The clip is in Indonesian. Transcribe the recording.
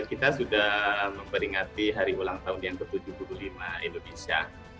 kita sudah memperingati hari ulang tahun yang ke tujuh puluh lima indonesia